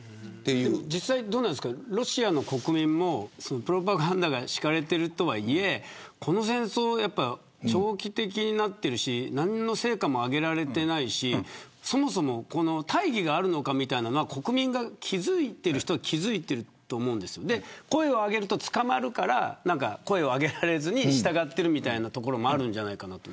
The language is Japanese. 実際にどうですかロシア国民もプロパガンダが敷かれているとはいえこの戦争は長期的になっているし何の成果も挙げられていないしそもそも大義があるのかみたいなのが国民が気付いている人は気づいていると思うんですけど声を上げると捕まるから上げられずに従っているみたいなところもあるんじゃないかと。